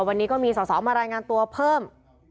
วันนี้ก็มีสอสอมารายงานตัวเพิ่ม